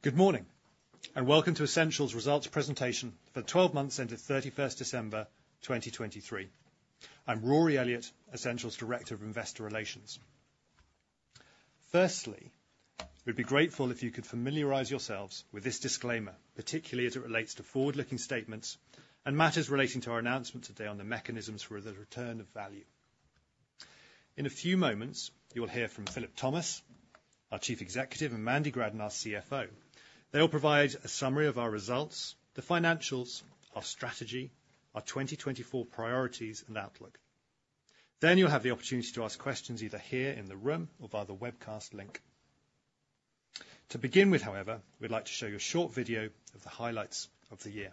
Good morning, and welcome to Ascential's results presentation for the 12 months ended 31 December 2023. I'm Rory Elliott, Ascential's Director of Investor Relations. Firstly, we'd be grateful if you could familiarize yourselves with this disclaimer, particularly as it relates to forward-looking statements and matters relating to our announcement today on the mechanisms for the return of value. In a few moments, you will hear from Philip Thomas, our Chief Executive, and Mandy Gradden, our CFO. They'll provide a summary of our results, the financials, our strategy, our 2024 priorities, and outlook. Then you'll have the opportunity to ask questions, either here in the room or via the webcast link. To begin with, however, we'd like to show you a short video of the highlights of the year.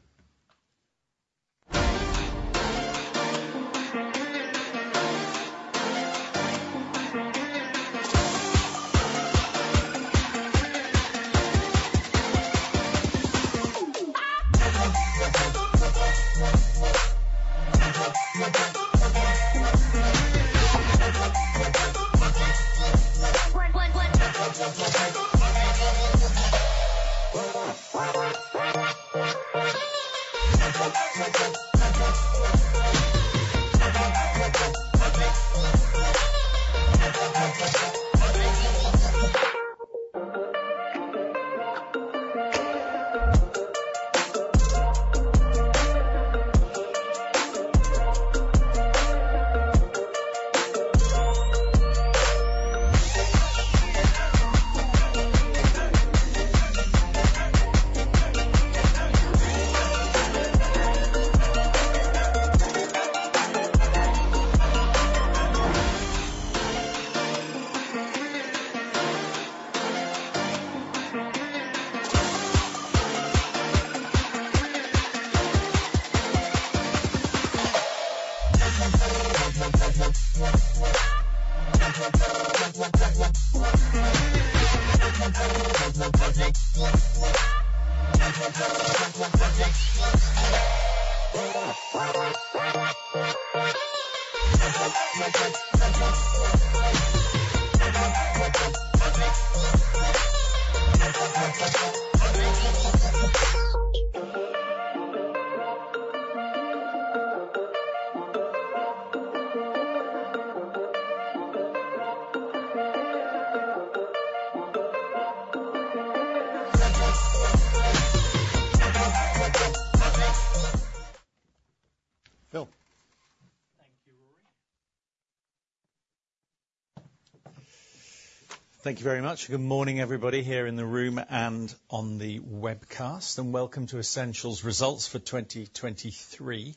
Phil. Thank you, Rory. Thank you very much. Good morning, everybody, here in the room and on the webcast, and welcome to Ascential's results for 2023.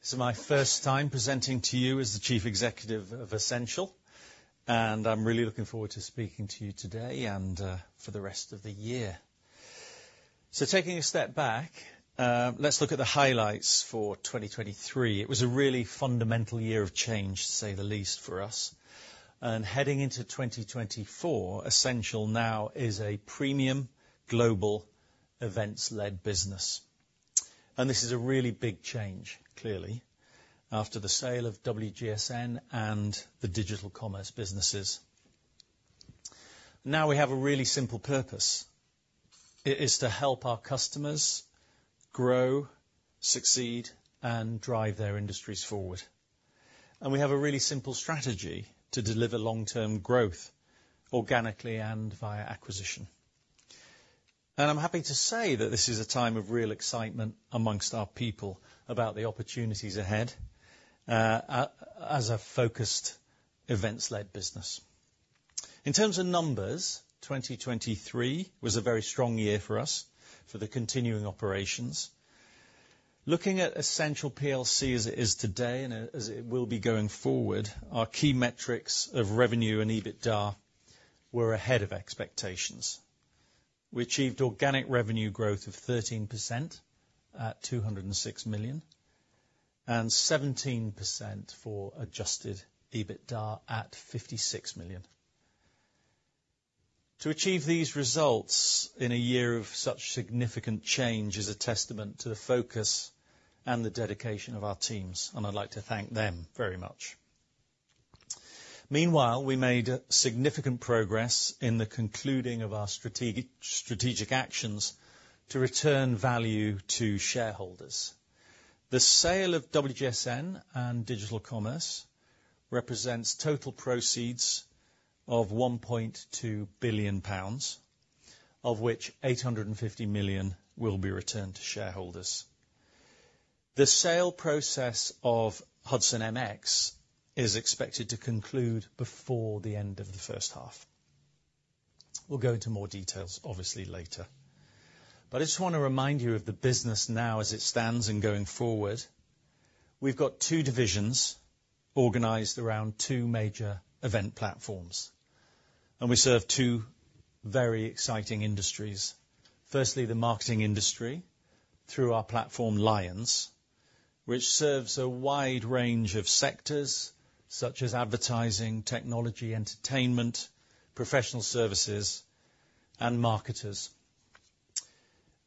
This is my first time presenting to you as the Chief Executive of Ascential, and I'm really looking forward to speaking to you today and for the rest of the year. So taking a step back, let's look at the highlights for 2023. It was a really fundamental year of change, to say the least, for us. Heading into 2024, Ascential now is a premium, global, events-led business. This is a really big change, clearly, after the sale of WGSN and the Digital Dommerce businesses. Now we have a really simple purpose. It is to help our customers grow, succeed, and drive their industries forward. We have a really simple strategy to deliver long-term growth, organically and via acquisition. I'm happy to say that this is a time of real excitement among our people about the opportunities ahead, as a focused events-led business. In terms of numbers, 2023 was a very strong year for us, for the continuing operations. Looking at Ascential plc as it is today, and as it will be going forward, our key metrics of revenue and EBITDA were ahead of expectations. We achieved organic revenue growth of 13% at 206 million, and 17% for adjusted EBITDA at 56 million. To achieve these results in a year of such significant change is a testament to the focus and the dedication of our teams, and I'd like to thank them very much. Meanwhile, we made significant progress in the concluding of our strategic actions to return value to shareholders. The sale of WGSN and Digital Commerce represents total proceeds of 1.2 billion pounds, of which 850 million will be returned to shareholders. The sale process of Hudson MX is expected to conclude before the end of the first half. We'll go into more details, obviously, later. But I just wanna remind you of the business now as it stands in going forward. We've got two divisions organized around two major event platforms, and we serve two very exciting industries. Firstly, the marketing industry through our platform, Lions, which serves a wide range of sectors such as advertising, technology, entertainment, professional services, and marketers-...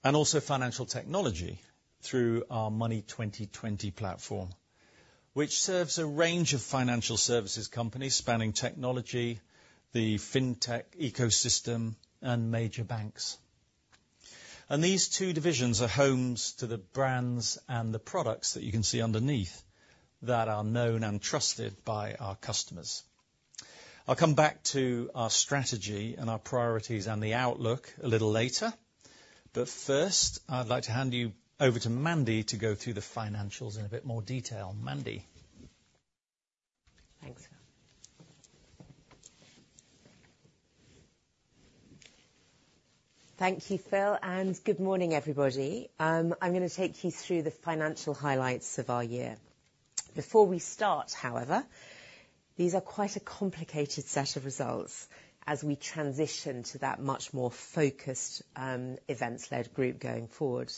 Also financial technology through our Money20/20 platform, which serves a range of financial services companies spanning technology, the fintech ecosystem, and major banks. These two divisions are homes to the brands and the products that you can see underneath that are known and trusted by our customers. I'll come back to our strategy and our priorities and the outlook a little later, but first, I'd like to hand you over to Mandy to go through the financials in a bit more detail. Mandy? Thanks. Thank you, Phil, and good morning, everybody. I'm gonna take you through the financial highlights of our year. Before we start, however, these are quite a complicated set of results as we transition to that much more focused, events-led group going forward.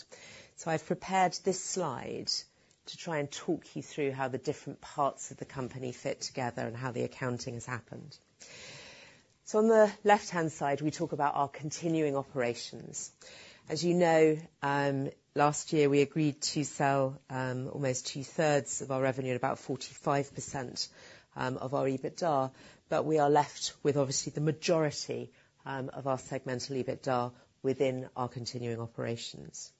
So I've prepared this slide to try and talk you through how the different parts of the company fit together and how the accounting has happened. So on the left-hand side, we talk about our continuing operations. As you know, last year, we agreed to sell, almost two-thirds of our revenue, about 45%, of our EBITDA, but we are left with obviously the majority, of our segmental EBITDA within our continuing operations.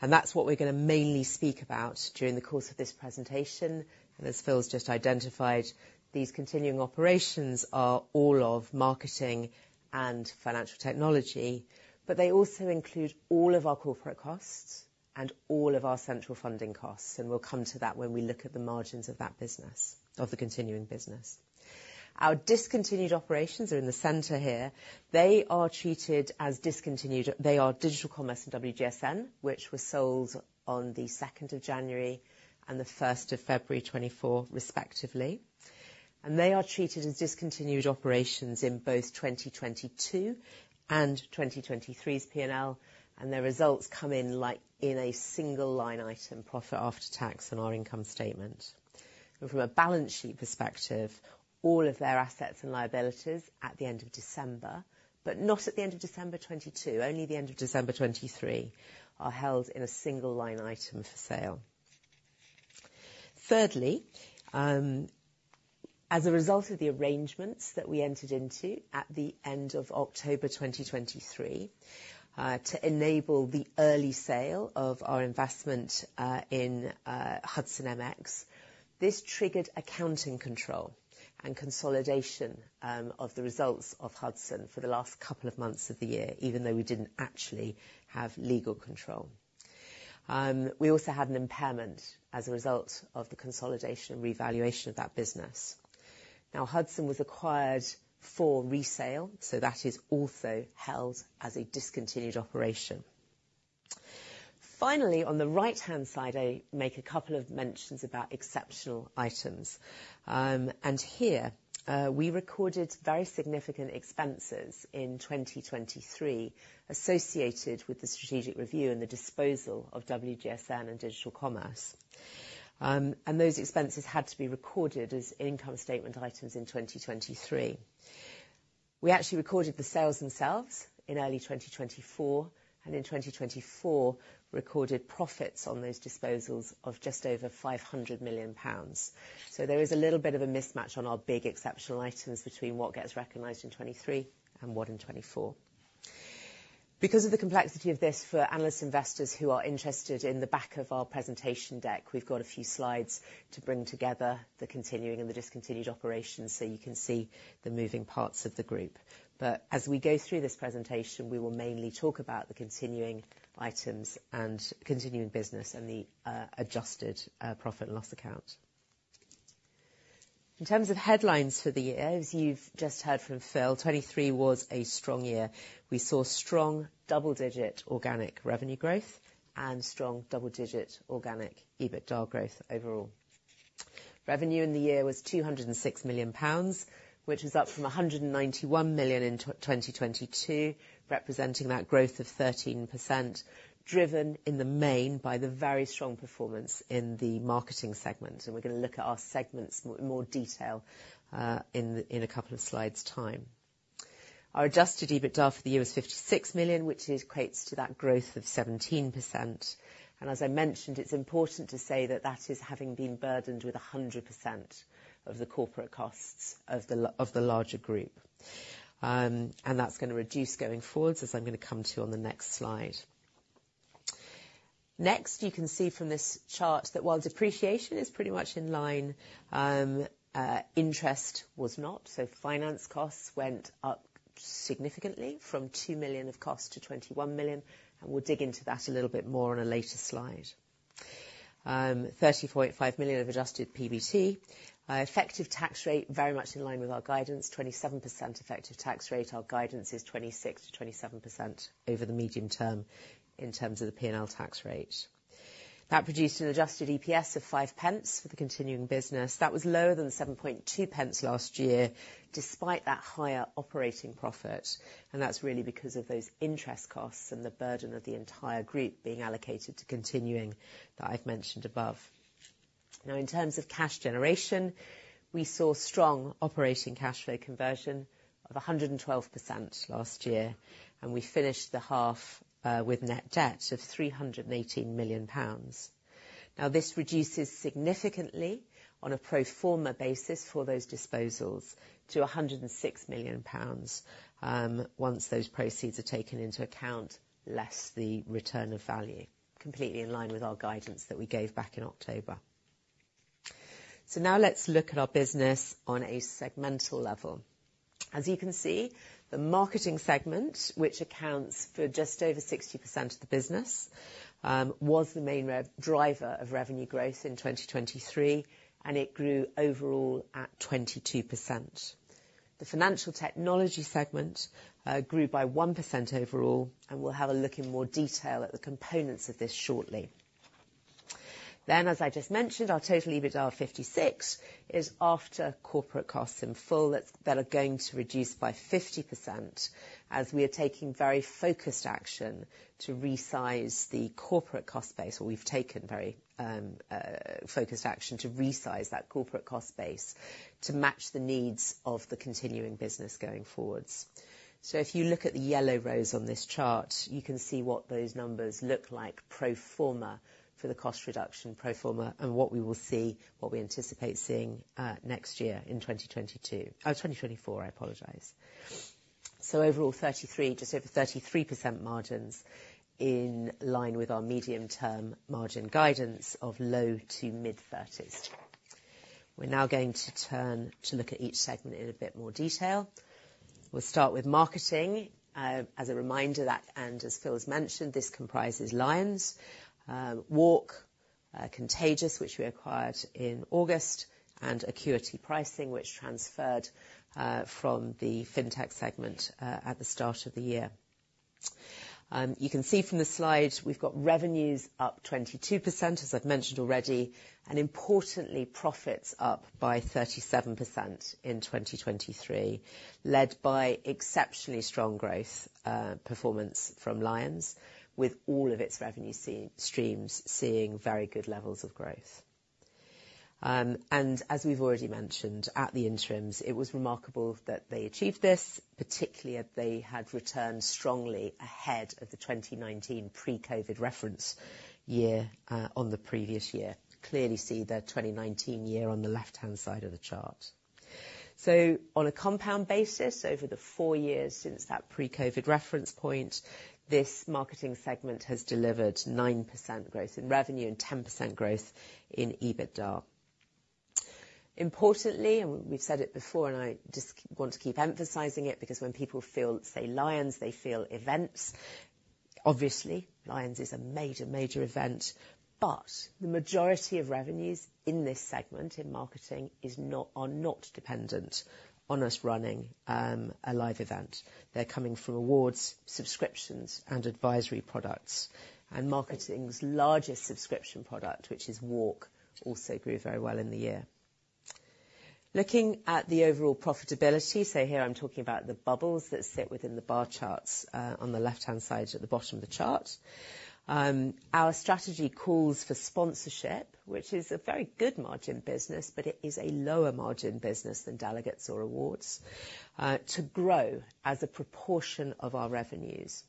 And that's what we're gonna mainly speak about during the course of this presentation. As Phil's just identified, these continuing operations are all of marketing and financial technology, but they also include all of our corporate costs and all of our central funding costs, and we'll come to that when we look at the margins of that business, of the continuing business. Our discontinued operations are in the center here. They are treated as discontinued. They are Digital Commerce and WGSN, which were sold on the January 2nd and the February 1st 2024, respectively. They are treated as discontinued operations in both 2022 and 2023's P&L, and their results come in, like, in a single line item, profit after tax on our income statement. From a balance sheet perspective, all of their assets and liabilities at the end of December, but not at the end of December 2022, only the end of December 2023, are held in a single line item for sale. Thirdly, as a result of the arrangements that we entered into at the end of October 2023, to enable the early sale of our investment in Hudson MX, this triggered accounting control and consolidation of the results of Hudson for the last couple of months of the year, even though we didn't actually have legal control. We also had an impairment as a result of the consolidation and revaluation of that business. Now, Hudson was acquired for resale, so that is also held as a discontinued operation. Finally, on the right-hand side, I make a couple of mentions about exceptional items. Here, we recorded very significant expenses in 2023 associated with the strategic review and the disposal of WGSN and Digital Commerce. Those expenses had to be recorded as income statement items in 2023. We actually recorded the sales themselves in early 2024, and in 2024, recorded profits on those disposals of just over 500 million pounds. So there is a little bit of a mismatch on our big exceptional items between what gets recognized in 2023 and what in 2024. Because of the complexity of this, for analyst investors who are interested, in the back of our presentation deck, we've got a few slides to bring together the continuing and the discontinued operations, so you can see the moving parts of the group. But as we go through this presentation, we will mainly talk about the continuing items and continuing business and the adjusted profit and loss account. In terms of headlines for the year, as you've just heard from Phil, 2023 was a strong year. We saw strong double-digit organic revenue growth and strong double-digit organic EBITDA growth overall. Revenue in the year was 206 million pounds, which was up from 191 million in 2022, representing that growth of 13%, driven in the main by the very strong performance in the marketing segment, and we're gonna look at our segments in more detail in a couple of slides' time. Our adjusted EBITDA for the year was 56 million, which equates to that growth of 17%. As I mentioned, it's important to say that that is having been burdened with 100% of the corporate costs of the larger group. And that's gonna reduce going forwards, as I'm gonna come to on the next slide. Next, you can see from this chart that while depreciation is pretty much in line, interest was not. So finance costs went up significantly from 2 million of cost to 21 million, and we'll dig into that a little bit more on a later slide. 34.5 million of adjusted PBT. Our effective tax rate very much in line with our guidance, 27% effective tax rate. Our guidance is 26%-27% over the medium-term in terms of the P&L tax rate. That produced an adjusted EPS of 0.05 pence for the continuing business. That was lower than the 0.72 pence last year, despite that higher operating profit, and that's really because of those interest costs and the burden of the entire group being allocated to continuing, that I've mentioned above. Now, in terms of cash generation, we saw strong operating cash flow conversion of 112% last year, and we finished the half with net debt of 318 million pounds. Now, this reduces significantly on a pro forma basis for those disposals to 106 million pounds, once those proceeds are taken into account, less the return of value, completely in line with our guidance that we gave back in October. So now let's look at our business on a segmental level. As you can see, the marketing segment, which accounts for just over 60% of the business, was the main revenue driver of revenue growth in 2023, and it grew overall at 22%. The financial technology segment grew by 1% overall, and we'll have a look in more detail at the components of this shortly. Then, as I just mentioned, our total EBITDA of 56 is after corporate costs in full that are going to reduce by 50%, as we are taking very focused action to resize the corporate cost base, or we've taken very focused action to resize that corporate cost base to match the needs of the continuing business going forwards. So if you look at the yellow rows on this chart, you can see what those numbers look like pro forma for the cost reduction pro forma, and what we will see, what we anticipate seeing, next year in 2022, 2024, I apologize. So overall, 33%, just over 33% margins in line with our medium-term margin guidance of low- to mid-30s. We're now going to turn to look at each segment in a bit more detail. We'll start with marketing. As a reminder, that, and as Phil has mentioned, this comprises Lions, WARC, Contagious, which we acquired in August, and Acuity Pricing, which transferred from the Fintech segment at the start of the year. You can see from the slide, we've got revenues up 22%, as I've mentioned already, and importantly, profits up by 37% in 2023, led by exceptionally strong growth, performance from Lions, with all of its revenue streams seeing very good levels of growth. And as we've already mentioned at the interims, it was remarkable that they achieved this, particularly as they had returned strongly ahead of the 2019 pre-COVID reference year, on the previous year. Clearly see their 2019 year on the left-hand side of the chart. So on a compound basis, over the four years since that pre-COVID reference point, this marketing segment has delivered 9% growth in revenue and 10% growth in EBITDA. Importantly, and we've said it before, and I just want to keep emphasizing it, because when people say Lions, they feel events. Obviously, Lions is a major, major event, but the majority of revenues in this segment, in marketing, is not, are not dependent on us running a live event. They're coming from awards, subscriptions, and advisory products, and marketing's largest subscription product, which is WARC, also grew very well in the year. Looking at the overall profitability, so here I'm talking about the bubbles that sit within the bar charts on the left-hand side at the bottom of the chart. Our strategy calls for sponsorship, which is a very good margin business, but it is a lower margin business than delegates or awards to grow as a proportion of our revenues.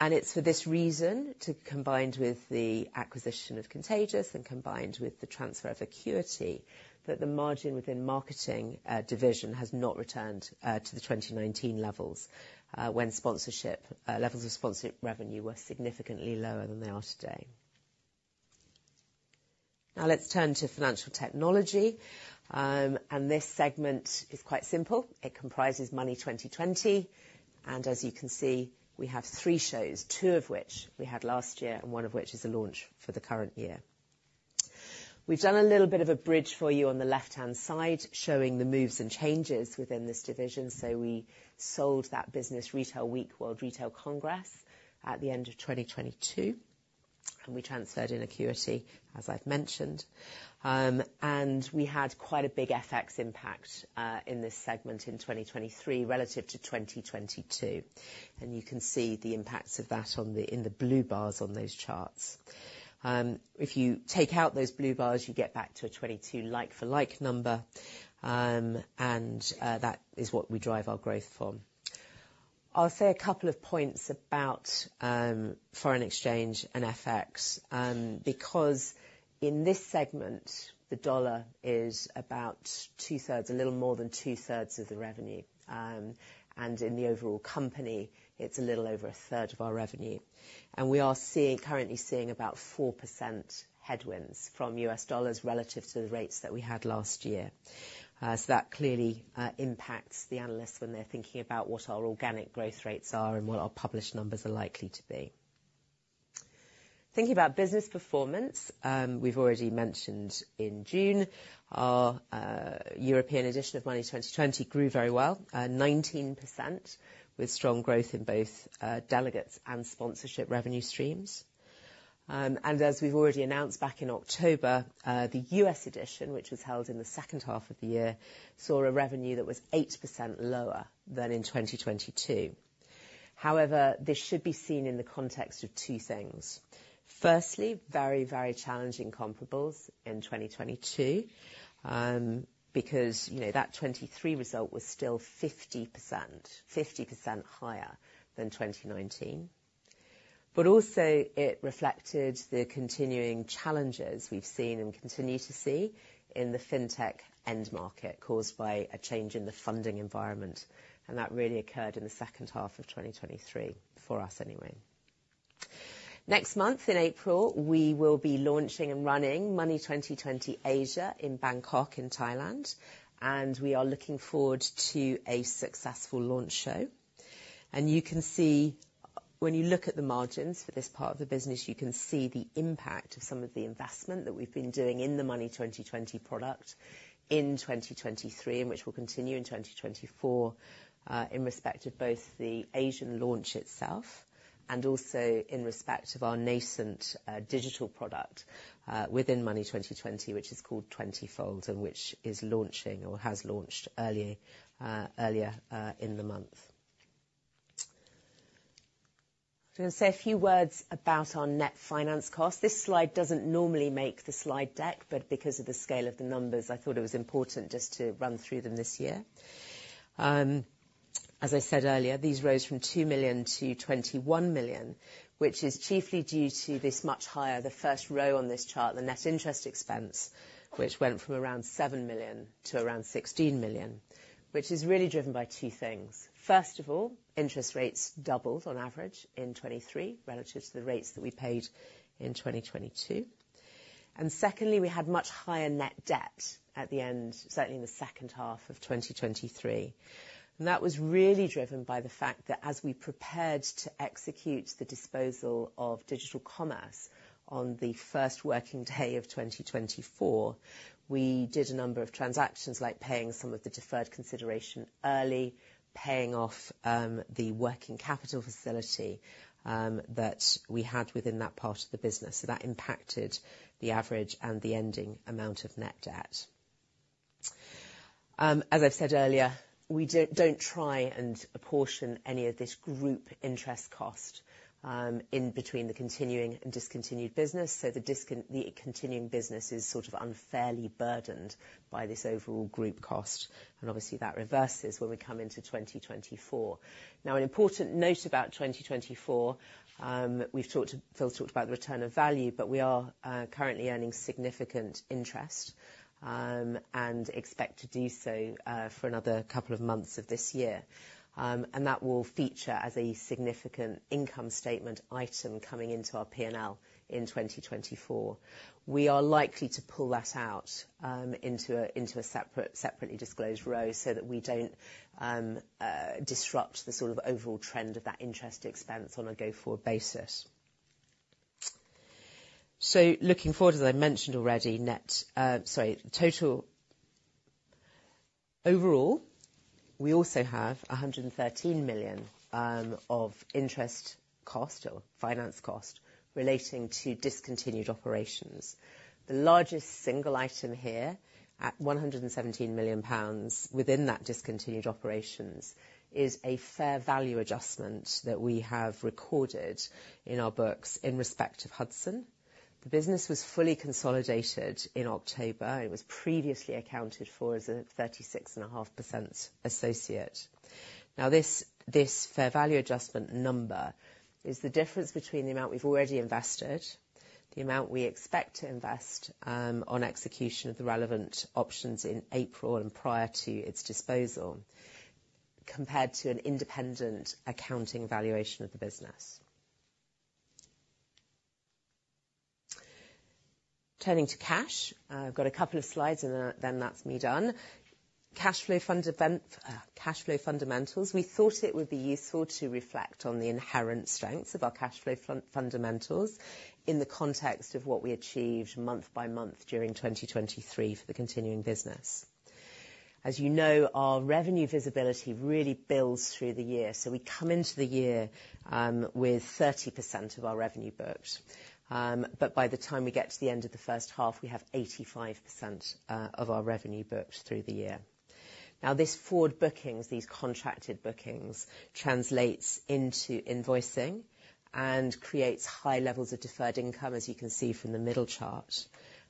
It's for this reason too, combined with the acquisition of Contagious and combined with the transfer of Acuity, that the margin within Marketing division has not returned to the 2019 levels, when sponsorship levels of sponsor revenue were significantly lower than they are today. Now let's turn to financial technology. And this segment is quite simple. It comprises Money20/20, and as you can see, we have three shows, two of which we had last year and one of which is a launch for the current year. We've done a little bit of a bridge for you on the left-hand side, showing the moves and changes within this division. So we sold that business, Retail Week, World Retail Congress, at the end of 2022, and we transferred in Acuity, as I've mentioned. We had quite a big FX impact in this segment in 2023 relative to 2022, and you can see the impacts of that in the blue bars on those charts. If you take out those blue bars, you get back to a 2022 like-for-like number, and that is what we drive our growth from. I'll say a couple of points about foreign exchange and FX, because in this segment, the dollar is about 2/3, a little more 2/3 of the revenue. In the overall company, it's a little over 1/3 of our revenue. We are currently seeing about 4% headwinds from U.S. dollars relative to the rates that we had last year. So that clearly impacts the analysts when they're thinking about what our organic growth rates are and what our published numbers are likely to be. Thinking about business performance, we've already mentioned in June our European edition of Money20/20 grew very well, 19%, with strong growth in both delegates and sponsorship revenue streams. As we've already announced back in October, the U.S. edition, which was held in the second half of the year, saw a revenue that was 8% lower than in 2022. However, this should be seen in the context of two things. Firstly, very, very challenging comparables in 2022, because, you know, that 2023 result was still 50% higher than 2019. But also it reflected the continuing challenges we've seen and continue to see in the fintech end market, caused by a change in the funding environment, and that really occurred in the second half of 2023, for us anyway. Next month, in April, we will be launching and running Money20/20 Asia in Bangkok, in Thailand, and we are looking forward to a successful launch show. You can see, when you look at the margins for this part of the business, you can see the impact of some of the investment that we've been doing in the Money20/20 product in 2023, and which will continue in 2024, in respect of both the Asian launch itself and also in respect of our nascent digital product within Money20/20, which is called Twentyfold, and which is launching or has launched earlier, earlier, in the month. I'm gonna say a few words about our net finance cost. This slide doesn't normally make the slide deck, but because of the scale of the numbers, I thought it was important just to run through them this year. As I said earlier, these rose from 2 million-21 million, which is chiefly due to this much higher, the first row on this chart, the net interest expense, which went from around 7 million-around 16 million, which is really driven by two things. First of all, interest rates doubled on average in 2023, relative to the rates that we paid in 2022. And secondly, we had much higher net debt at the end, certainly in the second half of 2023. And that was really driven by the fact that as we prepared to execute the disposal of Digital Commerce on the first working day of 2024, we did a number of transactions, like paying some of the deferred consideration early, paying off, the working capital facility, that we had within that part of the business. So that impacted the average and the ending amount of net debt. As I said earlier, we don't try and apportion any of this group interest cost in between the continuing and discontinued business, so the continuing business is sort of unfairly burdened by this overall group cost, and obviously, that reverses when we come into 2024. Now, an important note about 2024, we've talked, Phil talked about the return of value, but we are currently earning significant interest and expect to do so for another couple of months of this year. And that will feature as a significant income statement item coming into our P&L in 2024. We are likely to pull that out into a separately disclosed row, so that we don't disrupt the sort of overall trend of that interest expense on a go-forward basis. So looking forward, as I mentioned already, total. Overall, we also have 113 million of interest cost or finance cost relating to discontinued operations. The largest single item here, at 117 million pounds within that discontinued operations, is a fair value adjustment that we have recorded in our books in respect of Hudson. The business was fully consolidated in October. It was previously accounted for as a 36.5% associate. Now this, this fair value adjustment number is the difference between the amount we've already invested, the amount we expect to invest, on execution of the relevant options in April and prior to its disposal, compared to an independent accounting valuation of the business. Turning to cash, I've got a couple of slides, and then that's me done. Cash flow fundamentals, we thought it would be useful to reflect on the inherent strengths of our cash flow fundamentals in the context of what we achieved month by month during 2023 for the continuing business. As you know, our revenue visibility really builds through the year, so we come into the year, with 30% of our revenue booked. But by the time we get to the end of the first half, we have 85% of our revenue booked through the year. Now, this forward bookings, these contracted bookings, translates into invoicing and creates high levels of deferred income, as you can see from the middle chart.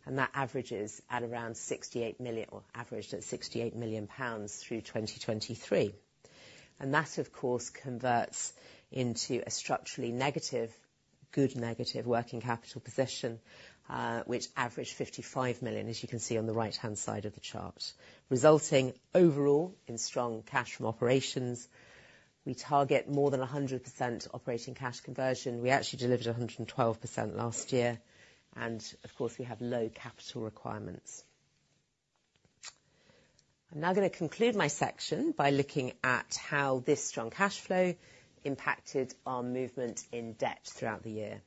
And that averages at around 68 million, or averaged at 68 million pounds through 2023. And that, of course, converts into a structurally negative, good negative working capital position, which averaged 55 million, as you can see on the right-hand side of the chart, resulting overall in strong cash from operations. We target more than 100% operating cash conversion. We actually delivered 112% last year, and of course, we have low capital requirements. I'm now gonna conclude my section by looking at how this strong cash flow impacted our movement in debt throughout the year.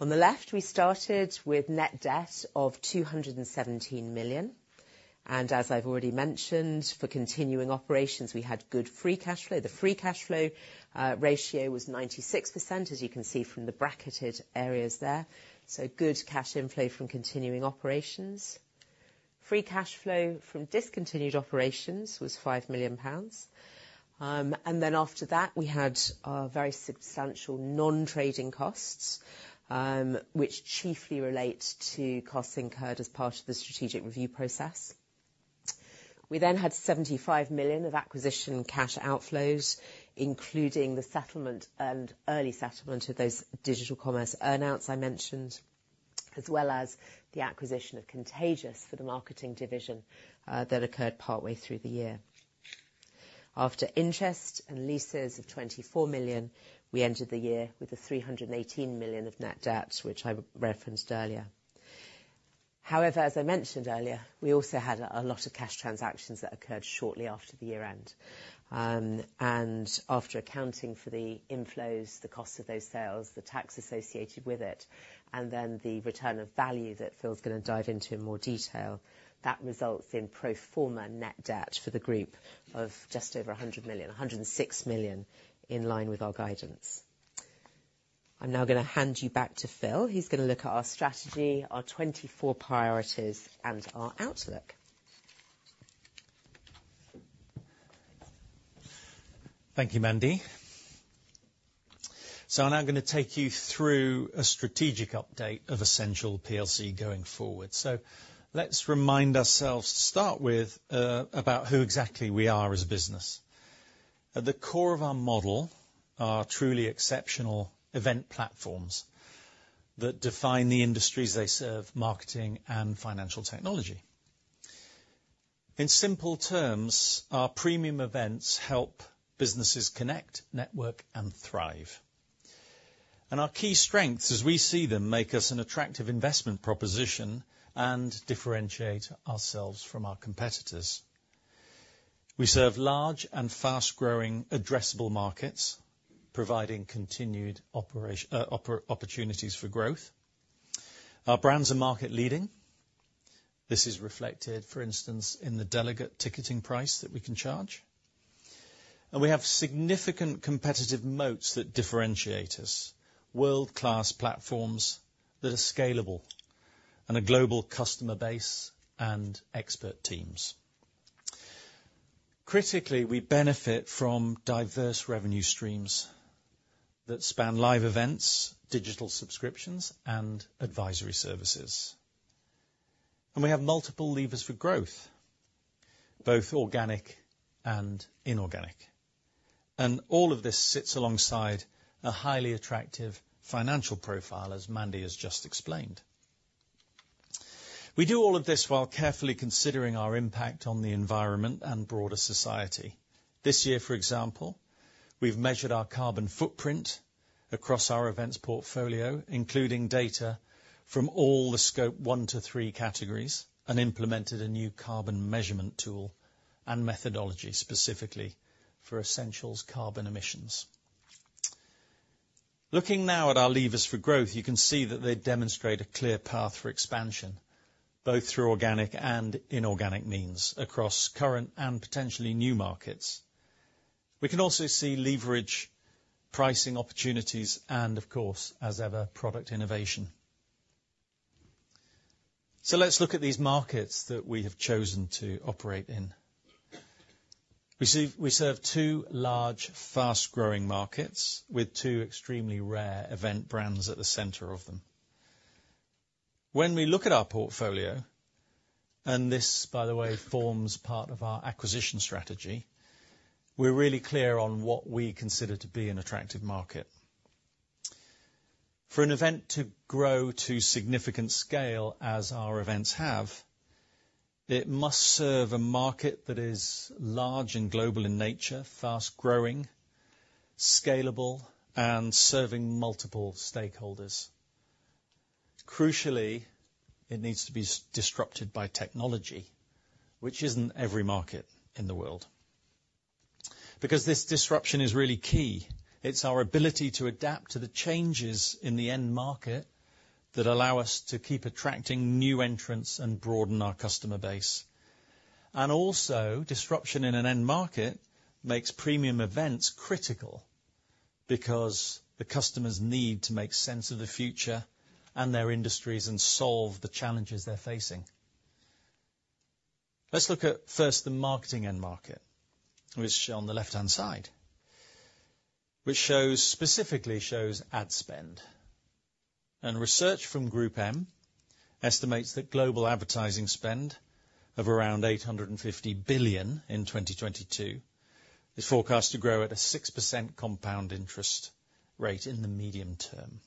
On the left, we started with net debt of 217 million, and as I've already mentioned, for continuing operations, we had good free cash flow. The free cash flow ratio was 96%, as you can see from the bracketed areas there, so good cash inflow from continuing operations. Free cash flow from discontinued operations was 5 million pounds. And then after that, we had very substantial non-trading costs, which chiefly relate to costs incurred as part of the strategic review process. We then had 75 million of acquisition cash outflows, including the settlement and early settlement of those Digital Commerce earn-outs I mentioned, as well as the acquisition of Contagious for the marketing division, that occurred partway through the year. After interest and leases of 24 million, we ended the year with 318 million of net debt, which I referenced earlier. However, as I mentioned earlier, we also had a lot of cash transactions that occurred shortly after the year-end. After accounting for the inflows, the cost of those sales, the tax associated with it, and then the return of value that Phil's gonna dive into in more detail, that results in pro forma net debt for the group of just over 100 million, 106 million, in line with our guidance. I'm now gonna hand you back to Phil. He's gonna look at our strategy, our 2024 priorities, and our outlook. Thank you, Mandy. So I'm now gonna take you through a strategic update of Ascential plc going forward. So let's remind ourselves to start with, about who exactly we are as a business. At the core of our model are truly exceptional event platforms that define the industries they serve, marketing and financial technology. In simple terms, our premium events help businesses connect, network, and thrive. And our key strengths, as we see them, make us an attractive investment proposition and differentiate ourselves from our competitors. We serve large and fast-growing addressable markets, providing continued opportunities for growth. Our brands are market leading. This is reflected, for instance, in the delegate ticketing price that we can charge. And we have significant competitive moats that differentiate us, world-class platforms that are scalable, and a global customer base and expert teams. Critically, we benefit from diverse revenue streams that span live events, digital subscriptions, and advisory services. We have multiple levers for growth, both organic and inorganic. All of this sits alongside a highly attractive financial profile, as Mandy has just explained. We do all of this while carefully considering our impact on the environment and broader society. This year, for example, we've measured our carbon footprint across our events portfolio, including data from all the scope 1, 2, and 3 categories, and implemented a new carbon measurement tool and methodology, specifically for Ascential's carbon emissions. Looking now at our levers for growth, you can see that they demonstrate a clear path for expansion, both through organic and inorganic means, across current and potentially new markets. We can also see leverage, pricing opportunities, and of course, as ever, product innovation. So let's look at these markets that we have chosen to operate in. We serve two large, fast-growing markets with two extremely rare event brands at the center of them. When we look at our portfolio, and this, by the way, forms part of our acquisition strategy, we're really clear on what we consider to be an attractive market. For an event to grow to significant scale, as our events have, it must serve a market that is large and global in nature, fast-growing, scalable, and serving multiple stakeholders. Crucially, it needs to be disrupted by technology, which isn't every market in the world. Because this disruption is really key, it's our ability to adapt to the changes in the end market that allow us to keep attracting new entrants and broaden our customer base. And also, disruption in an end market makes premium events critical, because the customers need to make sense of the future and their industries and solve the challenges they're facing. Let's look at, first, the marketing end market, which is shown on the left-hand side, which shows, specifically shows ad spend. And research from GroupM estimates that global advertising spend of around $850 billion in 2022, is forecast to grow at a 6% compound interest rate in the medium-term.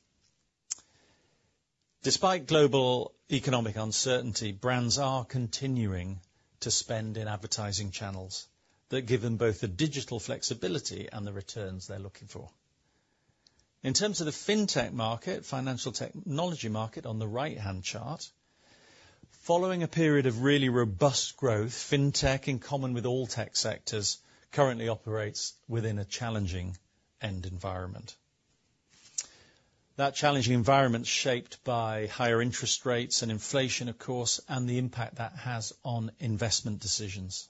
Despite global economic uncertainty, brands are continuing to spend in advertising channels that give them both the digital flexibility and the returns they're looking for. In terms of the fintech market, financial technology market, on the right-hand chart, following a period of really robust growth, fintech, in common with all tech sectors, currently operates within a challenging end environment. That challenging environment is shaped by higher interest rates and inflation, of course, and the impact that has on investment decisions.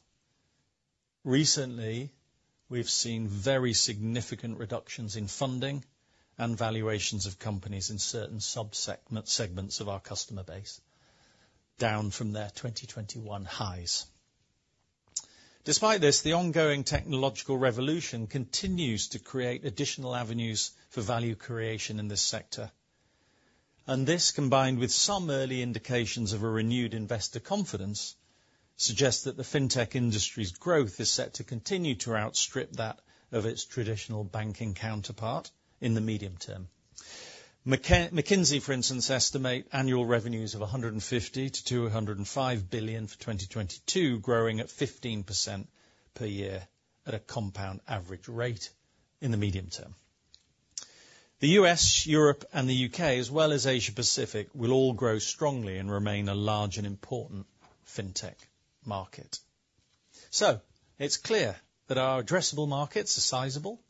Recently, we've seen very significant reductions in funding and valuations of companies in certain sub-segment, segments of our customer base, down from their 2021 highs. Despite this, the ongoing technological revolution continues to create additional avenues for value creation in this sector. And this, combined with some early indications of a renewed investor confidence, suggests that the fintech industry's growth is set to continue to outstrip that of its traditional banking counterpart in the medium-term. McKinsey, for instance, estimate annual revenues of 150 billion-205 billion for 2022, growing at 15% per year at a compound average rate in the medium-term. The U.S., Europe, and the U.K., as well as Asia Pacific, will all grow strongly and remain a large and important fintech market. So it's clear that our addressable markets are sizable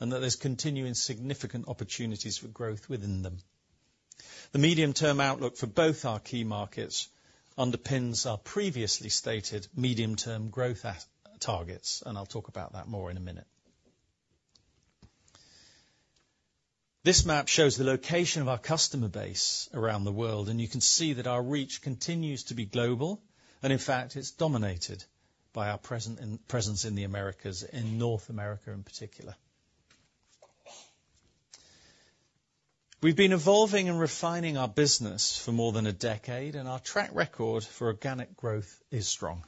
and that there's continuing significant opportunities for growth within them. The medium-term outlook for both our key markets underpins our previously stated medium-term growth targets, and I'll talk about that more in a minute. This map shows the location of our customer base around the world, and you can see that our reach continues to be global, and in fact, it's dominated by our presence in the Americas, in North America in particular. We've been evolving and refining our business for more than a decade, and our track record for organic growth is strong.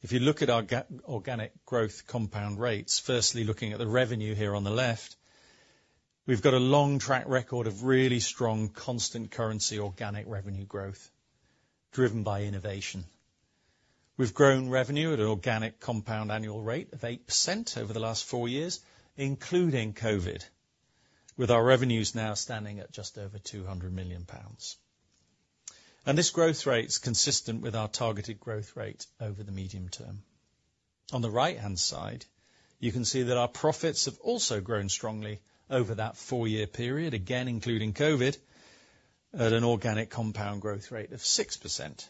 If you look at our organic growth compound rates, firstly, looking at the revenue here on the left, we've got a long track record of really strong constant currency organic revenue growth, driven by innovation. We've grown revenue at an organic compound annual rate of 8% over the last four years, including COVID, with our revenues now standing at just over 200 million pounds. And this growth rate is consistent with our targeted growth rate over the medium-term. On the right-hand side, you can see that our profits have also grown strongly over that four-year period, again, including COVID, at an organic compound growth rate of 6%,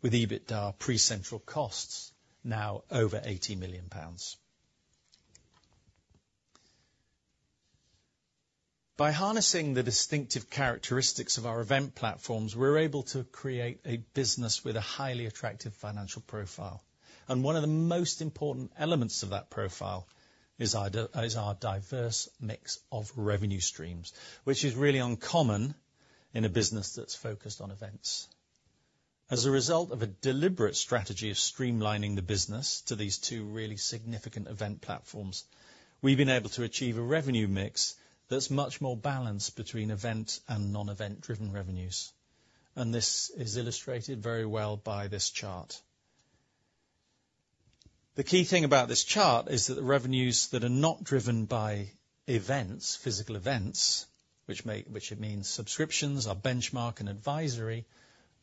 with EBITDA pre-central costs now over GBP 80 million. By harnessing the distinctive characteristics of our event platforms, we're able to create a business with a highly attractive financial profile. One of the most important elements of that profile is our diverse mix of revenue streams, which is really uncommon in a business that's focused on events. As a result of a deliberate strategy of streamlining the business to these two really significant event platforms, we've been able to achieve a revenue mix that's much more balanced between event and non-event-driven revenues, and this is illustrated very well by this chart. The key thing about this chart is that the revenues that are not driven by events, physical events, which it means subscriptions, our benchmark and advisory,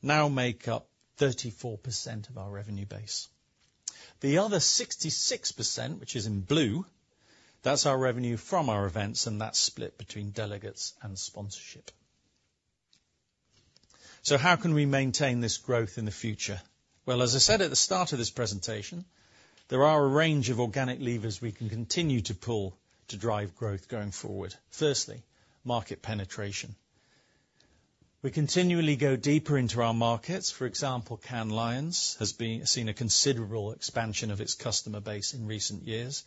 now make up 34% of our revenue base. The other 66%, which is in blue, that's our revenue from our events, and that's split between delegates and sponsorship. So how can we maintain this growth in the future? Well, as I said at the start of this presentation, there are a range of organic levers we can continue to pull to drive growth going forward. Firstly, market penetration. We continually go deeper into our markets. For example, Cannes Lions has been seen a considerable expansion of its customer base in recent years,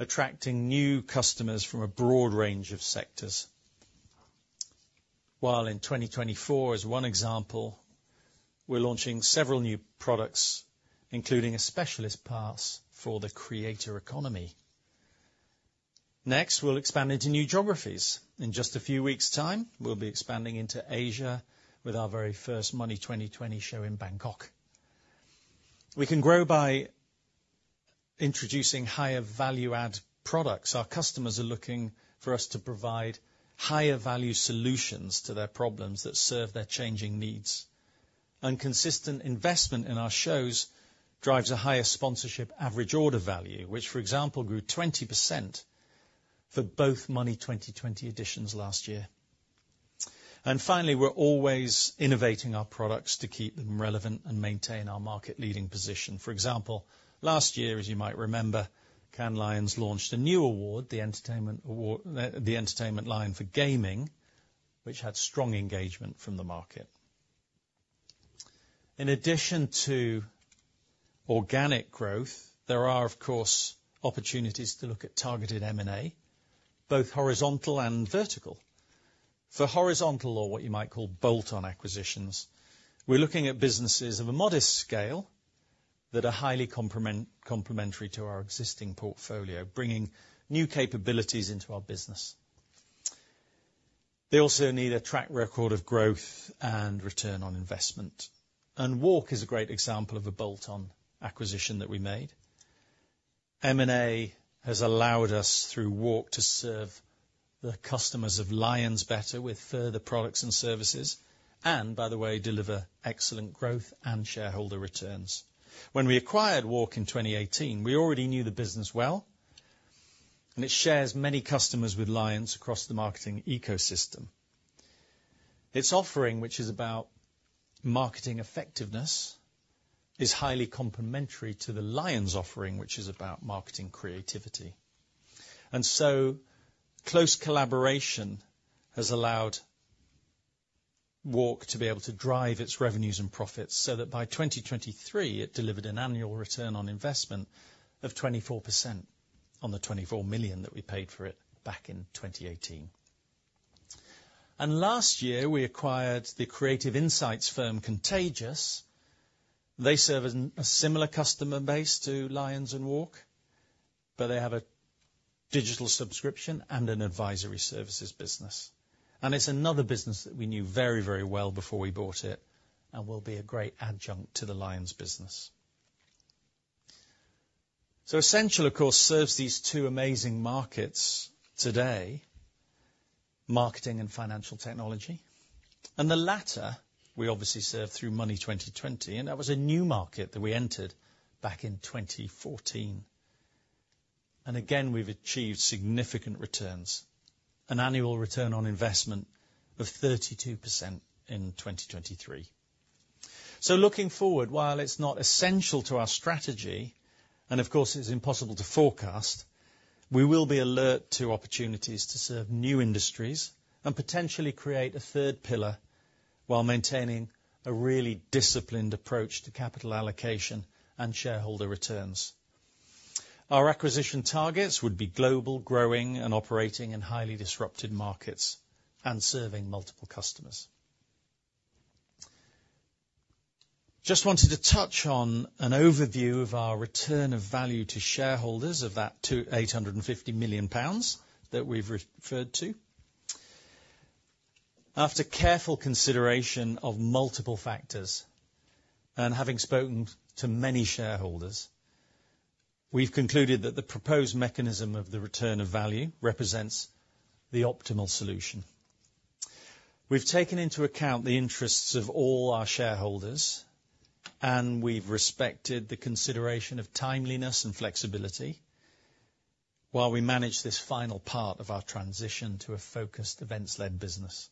attracting new customers from a broad range of sectors. While in 2024, as one example, we're launching several new products, including a specialist pass for the creator economy. Next, we'll expand into new geographies. In just a few weeks' time, we'll be expanding into Asia with our very first Money20/20 show in Bangkok. We can grow by introducing higher value add products. Our customers are looking for us to provide higher value solutions to their problems that serve their changing needs. And consistent investment in our shows drives a higher sponsorship average order value, which, for example, grew 20% for both Money20/20 editions last year. And finally, we're always innovating our products to keep them relevant and maintain our market leading position. For example, last year, as you might remember, Cannes Lions launched a new award, the Entertainment Lions for Gaming, which had strong engagement from the market. In addition to organic growth, there are, of course, opportunities to look at targeted M&A, both horizontal and vertical. For horizontal or what you might call bolt-on acquisitions, we're looking at businesses of a modest scale that are highly complementary to our existing portfolio, bringing new capabilities into our business. They also need a track record of growth and return on investment. And WARC is a great example of a bolt-on acquisition that we made. M&A has allowed us, through WARC, to serve the customers of Lions better with further products and services, and by the way, deliver excellent growth and shareholder returns. When we acquired WARC in 2018, we already knew the business well, and it shares many customers with Lions across the marketing ecosystem. Its offering, which is about marketing effectiveness, is highly complementary to the Lions offering, which is about marketing creativity. And so close collaboration has allowed WARC to be able to drive its revenues and profits, so that by 2023, it delivered an annual return on investment of 24% on the 24 million that we paid for it back in 2018. And last year, we acquired the creative insights firm, Contagious. They serve a similar customer base to Lions and WARC, but they have a digital subscription and an advisory services business. It's another business that we knew very, very well before we bought it, and will be a great adjunct to the Lions business. Ascential, of course, serves these two amazing markets today, marketing and financial technology. The latter, we obviously serve through Money20/20, and that was a new market that we entered back in 2014. Again, we've achieved significant returns, an annual return on investment of 32% in 2023. Looking forward, while it's not essential to our strategy, and of course, it's impossible to forecast, we will be alert to opportunities to serve new industries and potentially create a third pillar, while maintaining a really disciplined approach to capital allocation and shareholder returns. Our acquisition targets would be global, growing, and operating in highly disrupted markets, and serving multiple customers. Just wanted to touch on an overview of our return of value to shareholders of that 250 million pounds that we've referred to. After careful consideration of multiple factors, and having spoken to many shareholders, we've concluded that the proposed mechanism of the return of value represents the optimal solution. We've taken into account the interests of all our shareholders, and we've respected the consideration of timeliness and flexibility, while we manage this final part of our transition to a focused events-led business.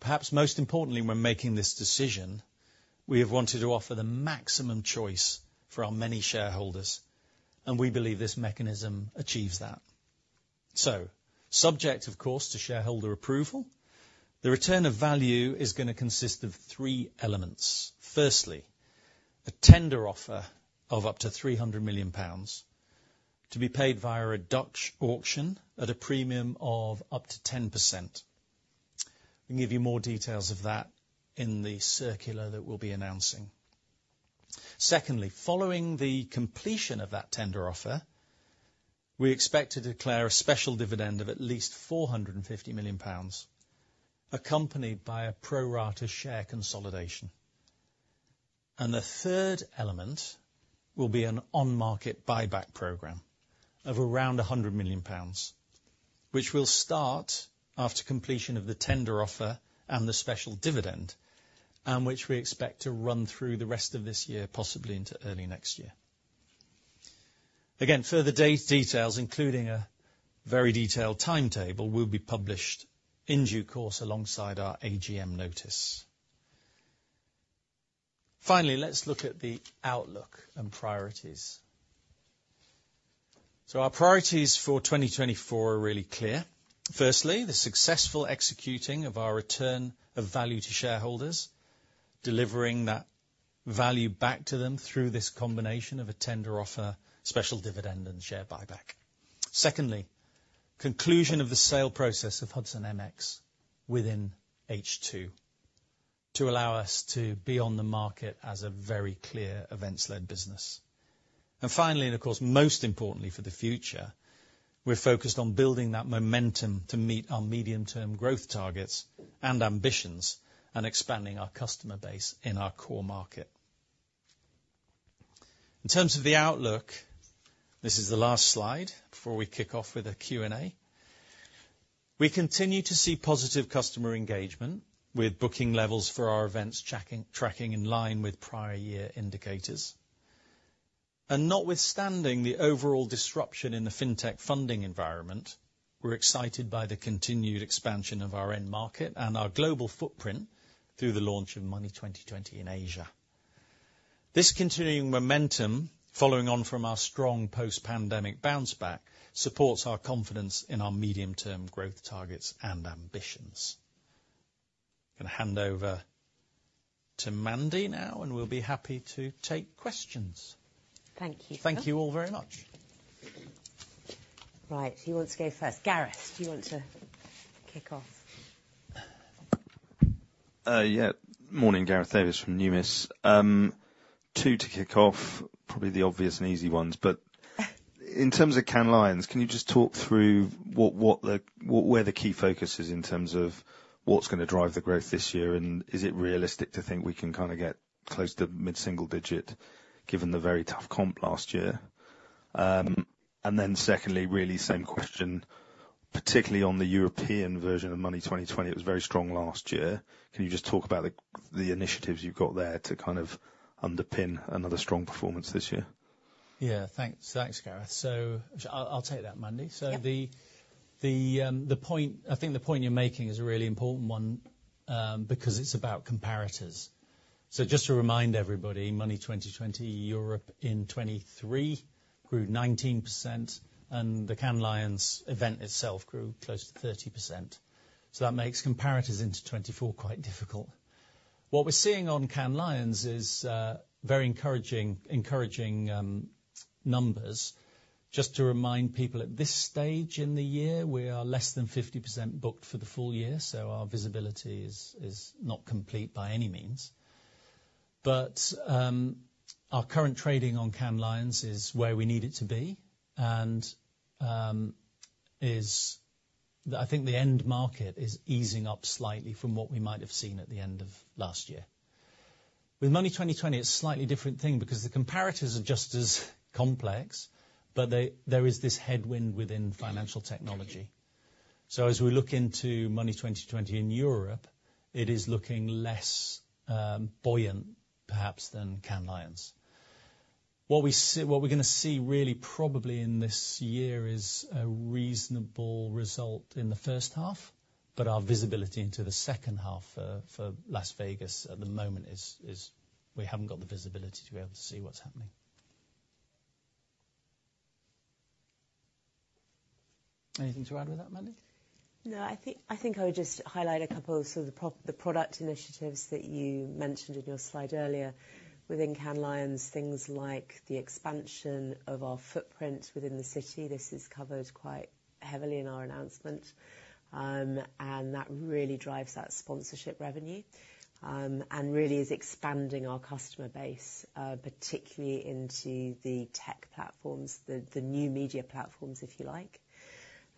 Perhaps most importantly, when making this decision, we have wanted to offer the maximum choice for our many shareholders, and we believe this mechanism achieves that. So subject, of course, to shareholder approval, the return of value is gonna consist of three elements. Firstly, a tender offer of up to 300 million pounds to be paid via a Dutch auction, at a premium of up to 10%. We'll give you more details of that in the circular that we'll be announcing. Secondly, following the completion of that tender offer, we expect to declare a special dividend of at least 450 million pounds, accompanied by a pro rata share consolidation. And the third element will be an on-market buyback program of around 100 million pounds, which will start after completion of the tender offer and the special dividend, and which we expect to run through the rest of this year, possibly into early next year. Again, further details, including a very detailed timetable, will be published in due course alongside our AGM notice. Finally, let's look at the outlook and priorities. So our priorities for 2024 are really clear. Firstly, the successful executing of our return of value to shareholders, delivering that value back to them through this combination of a tender offer, special dividend, and share buyback. Secondly, conclusion of the sale process of Hudson MX within H2, to allow us to be on the market as a very clear events-led business. And finally, and of course, most importantly for the future, we're focused on building that momentum to meet our medium-term growth targets and ambitions, and expanding our customer base in our core market. In terms of the outlook, this is the last slide before we kick off with a Q&A. We continue to see positive customer engagement, with booking levels for our events tracking in line with prior year indicators. Notwithstanding the overall disruption in the fintech funding environment, we're excited by the continued expansion of our end market and our global footprint through the launch of Money20/20 in Asia. This continuing momentum, following on from our strong post-pandemic bounce back, supports our confidence in our medium-term growth targets and ambitions. Gonna hand over to Mandy now, and we'll be happy to take questions. Thank you, Phil. Thank you all very much. Right. Who wants to go first? Gareth, do you want to kick off? Yeah. Morning, Gareth Davies from Numis. Two to kick off, probably the obvious and easy ones. But in terms of Cannes Lions, can you just talk through what the key focus is, in terms of what's gonna drive the growth this year? And is it realistic to think we can kinda get close to mid-single digit, given the very tough comp last year? And then secondly, really same question, particularly on the European version of Money20/20, it was very strong last year. Can you just talk about the initiatives you've got there to kind of underpin another strong performance this year?... Yeah, thanks. Thanks, Gareth. So, actually, I'll take that, Mandy. Yeah. So, I think the point you're making is a really important one, because it's about comparators. So just to remind everybody, Money20/20 Europe in 2023 grew 19%, and the Cannes Lions event itself grew close to 30%. So that makes comparators into 2024 quite difficult. What we're seeing on Cannes Lions is very encouraging numbers. Just to remind people, at this stage in the year, we are less than 50% booked for the full year, so our visibility is not complete by any means. But our current trading on Cannes Lions is where we need it to be, and is… I think the end market is easing up slightly from what we might have seen at the end of last year. With Money20/20, it's a slightly different thing because the comparators are just as complex, but they, there is this headwind within financial technology. So as we look into Money20/20 in Europe, it is looking less, buoyant, perhaps, than Cannes Lions. What we see- what we're gonna see really probably in this year is a reasonable result in the first half, but our visibility into the second half for, for Las Vegas at the moment is, is we haven't got the visibility to be able to see what's happening. Anything to add with that, Mandy? No, I think I would just highlight a couple of sort of the product initiatives that you mentioned in your slide earlier. Within Cannes Lions, things like the expansion of our footprint within the city. This is covered quite heavily in our announcement, and that really drives that sponsorship revenue, and really is expanding our customer base, particularly into the tech platforms, the new media platforms, if you like.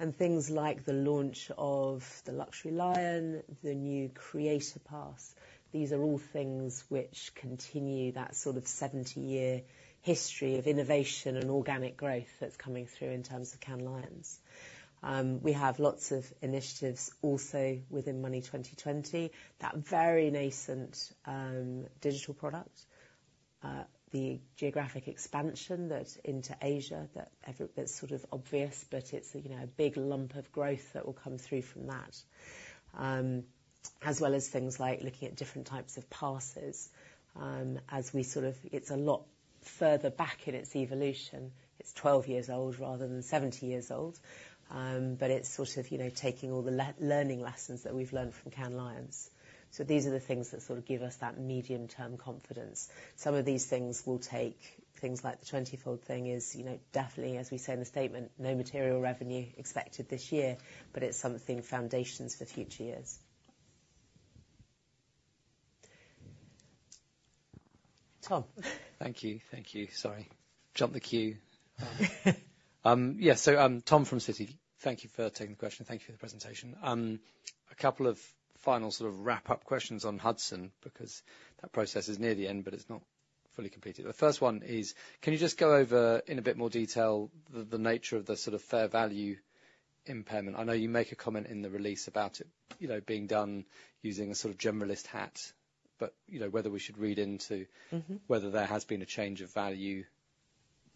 And things like the launch of the Luxury & Lifestyle Lions, the new Creator Pass, these are all things which continue that sort of 70-year history of innovation and organic growth that's coming through in terms of Cannes Lions. We have lots of initiatives also within Money20/20. That very nascent digital product, the geographic expansion into Asia, that every... It's sort of obvious, but it's, you know, a big lump of growth that will come through from that. As well as things like looking at different types of passes, as we sort of. It's a lot further back in its evolution. It's 12 years old rather than 70 years old. But it's sort of, you know, taking all the learning lessons that we've learned from Cannes Lions. So these are the things that sort of give us that medium-term confidence. Some of these things will take... Things like the Twentyfold thing is, you know, definitely, as we say in the statement, no material revenue expected this year, but it's something foundations for future years. Tom? Thank you. Thank you. Sorry, jumped the queue. Yes, so, Tom from Citi. Thank you for taking the question. Thank you for the presentation. A couple of final sort of wrap-up questions on Hudson, because that process is near the end, but it's not fully completed. The first one is, can you just go over, in a bit more detail, the nature of the sort of fair value impairment? I know you make a comment in the release about it, you know, being done using a sort of generalist hat, but, you know, whether we should read into- Mm-hmm... whether there has been a change of value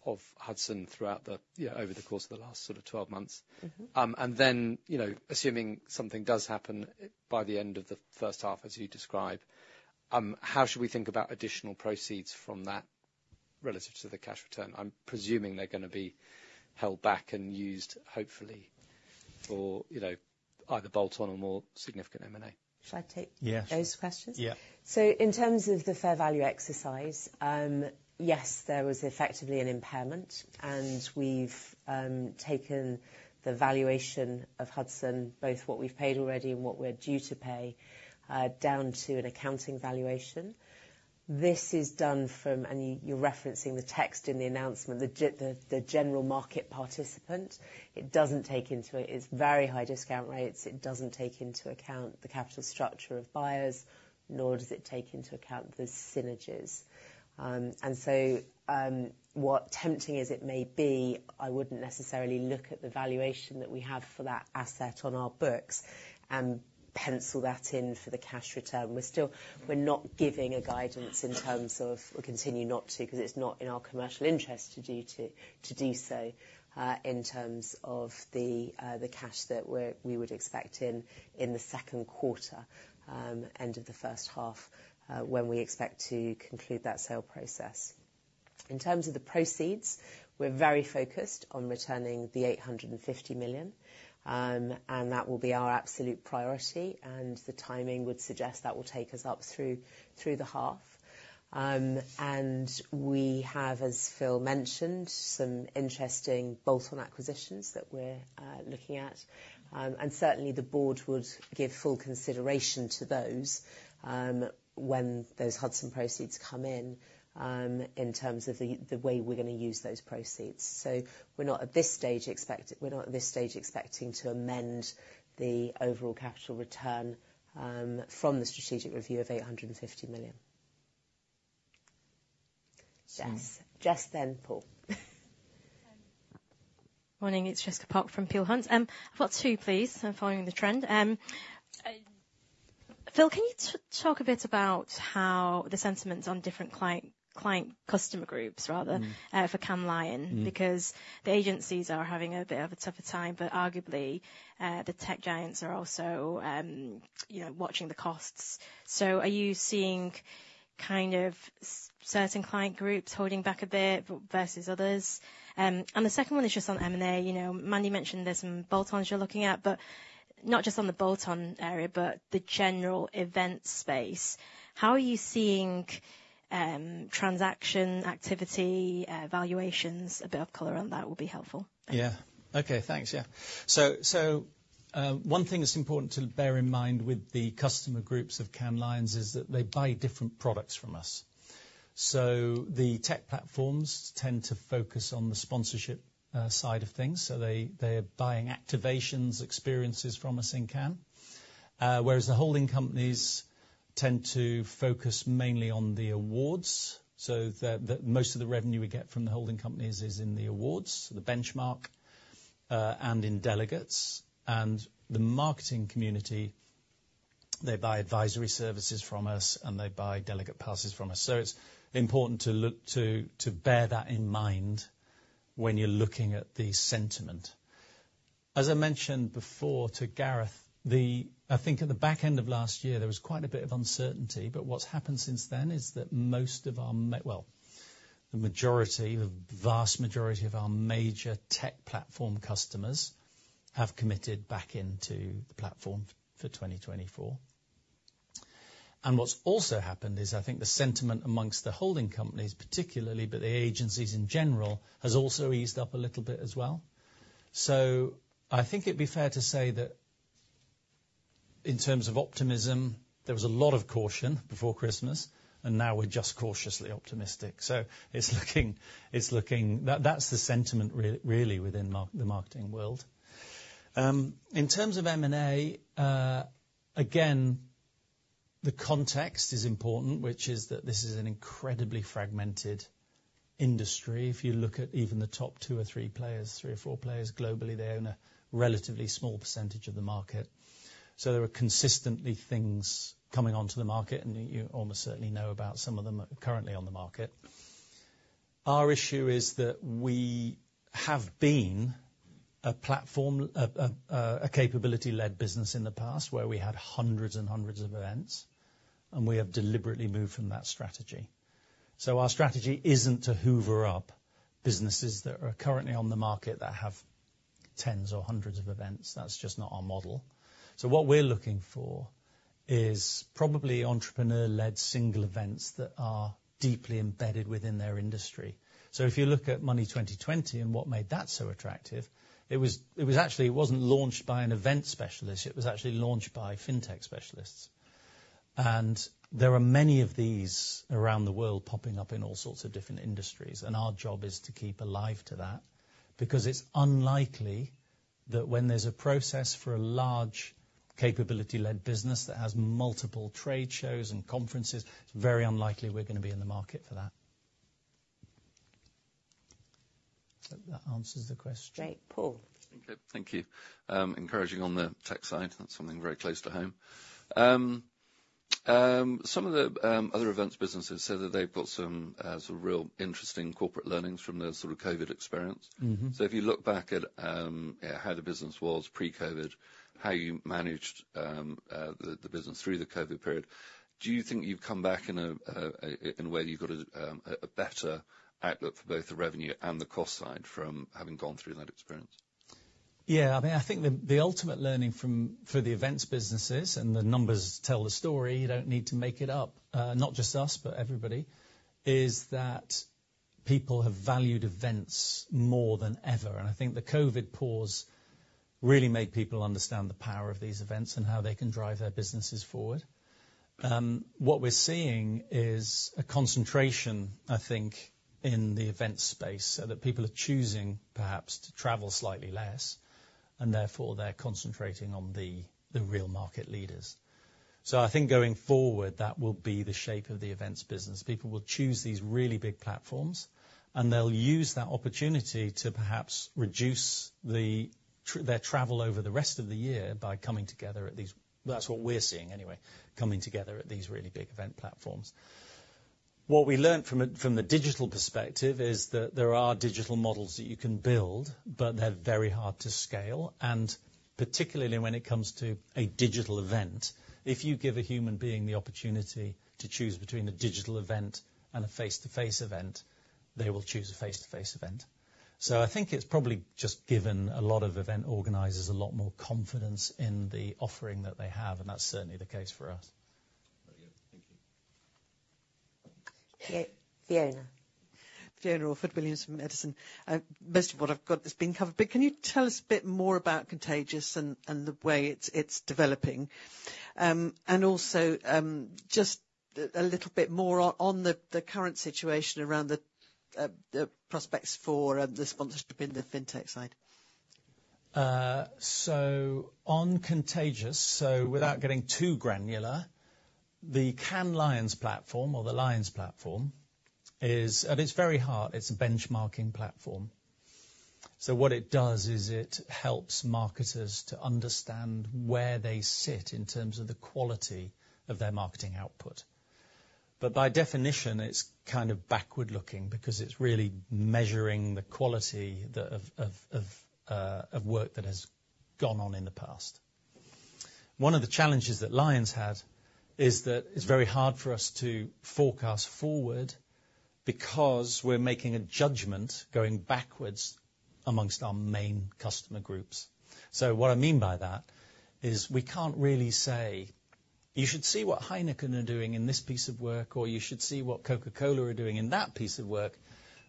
of Hudson throughout the, you know, over the course of the last sort of 12 months. Mm-hmm. And then, you know, assuming something does happen by the end of the first half, as you describe, how should we think about additional proceeds from that relative to the cash return? I'm presuming they're gonna be held back and used, hopefully, for, you know, either bolt-on or more significant M&A. Should I take- Yeah... those questions? Yeah. So in terms of the fair value exercise, yes, there was effectively an impairment, and we've taken the valuation of Hudson, both what we've paid already and what we're due to pay, down to an accounting valuation. This is done from... And you're referencing the text in the announcement, the general market participant. It doesn't take into account its very high discount rates, it doesn't take into account the capital structure of buyers, nor does it take into account the synergies. And so, tempting as it may be, I wouldn't necessarily look at the valuation that we have for that asset on our books and pencil that in for the cash return. We're not giving guidance in terms of; we're continuing not to, because it's not in our commercial interest to do so, in terms of the cash that we would expect in the second quarter, end of the first half, when we expect to conclude that sale process. In terms of the proceeds, we're very focused on returning the 850 million, and that will be our absolute priority, and the timing would suggest that will take us up through the half. And we have, as Phil mentioned, some interesting bolt-on acquisitions that we're looking at. And certainly, the board would give full consideration to those when those Hudson proceeds come in, in terms of the way we're gonna use those proceeds. So we're not, at this stage, expecting to amend the overall capital return from the strategic review of 850 million. Yes. Just then, Paul.... Morning, it's Jessica Pok from Peel Hunt. I've got two, please. I'm following the trend. Phil, can you talk a bit about how the sentiments on different client customer groups, rather, for Cannes Lions? Mm. Because the agencies are having a bit of a tougher time, but arguably, the tech giants are also, you know, watching the costs. So are you seeing kind of certain client groups holding back a bit versus others? And the second one is just on M&A. You know, Mandy mentioned there's some bolt-ons you're looking at, but not just on the bolt-on area, but the general event space. How are you seeing, transaction activity, valuations? A bit of color on that will be helpful. Yeah. Okay, thanks, yeah. So one thing that's important to bear in mind with the customer groups of Cannes Lions is that they buy different products from us. So the tech platforms tend to focus on the sponsorship side of things, so they're buying activations, experiences from us in Cannes. Whereas the holding companies tend to focus mainly on the awards, so most of the revenue we get from the holding companies is in the awards, the benchmark, and in delegates. And the marketing community, they buy advisory services from us, and they buy delegate passes from us. So it's important to look to bear that in mind when you're looking at the sentiment. As I mentioned before to Gareth, the... I think at the back end of last year, there was quite a bit of uncertainty, but what's happened since then is that most of our well, the majority, the vast majority of our major tech platform customers have committed back into the platform for 2024. And what's also happened is, I think the sentiment amongst the holding companies, particularly, but the agencies in general, has also eased up a little bit as well. So I think it'd be fair to say that in terms of optimism, there was a lot of caution before Christmas, and now we're just cautiously optimistic. So it's looking it's looking. That, that's the sentiment really within the marketing world. In terms of M&A, again, the context is important, which is that this is an incredibly fragmented industry. If you look at even the top two or three players, three or four players globally, they own a relatively small percentage of the market. So there are consistently things coming onto the market, and you almost certainly know about some of them currently on the market. Our issue is that we have been a platform, a capability-led business in the past, where we had hundreds and hundreds of events, and we have deliberately moved from that strategy. So our strategy isn't to hoover up businesses that are currently on the market that have tens or hundreds of events. That's just not our model. So what we're looking for is probably entrepreneur-led single events that are deeply embedded within their industry. So if you look at Money20/20 and what made that so attractive, it was actually, it wasn't launched by an event specialist. It was actually launched by fintech specialists. There are many of these around the world popping up in all sorts of different industries, and our job is to keep alive to that, because it's unlikely that when there's a process for a large capability-led business that has multiple trade shows and conferences, it's very unlikely we're gonna be in the market for that. Hope that answers the question. Great. Paul? Thank you. Thank you. Encouraging on the tech side, that's something very close to home. Some of the other events businesses say that they've got some real interesting corporate learnings from the sort of COVID experience. Mm-hmm. So if you look back at how the business was pre-COVID, how you managed the business through the COVID period, do you think you've come back in a way that you've got a better outlook for both the revenue and the cost side from having gone through that experience? Yeah, I mean, I think the ultimate learning from for the events businesses, and the numbers tell the story, you don't need to make it up, not just us, but everybody, is that people have valued events more than ever, and I think the COVID pause really made people understand the power of these events and how they can drive their businesses forward. What we're seeing is a concentration, I think, in the event space, so that people are choosing perhaps to travel slightly less, and therefore, they're concentrating on the real market leaders. So I think going forward, that will be the shape of the events business. People will choose these really big platforms, and they'll use that opportunity to perhaps reduce their travel over the rest of the year by coming together at these... That's what we're seeing anyway, coming together at these really big event platforms. What we learned from the digital perspective is that there are digital models that you can build, but they're very hard to scale, and particularly when it comes to a digital event, if you give a human being the opportunity to choose between a digital event and a face-to-face event, they will choose a face-to-face event. So I think it's probably just given a lot of event organizers a lot more confidence in the offering that they have, and that's certainly the case for us. Very good. Thank you. Yeah. Fiona. Fiona Orford-Williams, Edison Group. Most of what I've got has been covered, but can you tell us a bit more about Contagious and, and the way it's, it's developing? And also, just a little bit more on, on the, the current situation around the, the prospects for, the sponsorship in the fintech side.... so on Contagious, so without getting too granular, the Cannes Lions platform or the Lions platform is, at its very heart, it's a benchmarking platform. So what it does is it helps marketers to understand where they sit in terms of the quality of their marketing output. But by definition, it's kind of backward-looking because it's really measuring the quality of work that has gone on in the past. One of the challenges that Lions had is that it's very hard for us to forecast forward because we're making a judgment going backwards amongst our main customer groups. So what I mean by that is we can't really say, "You should see what Heineken are doing in this piece of work," or, "You should see what Coca-Cola are doing in that piece of work,"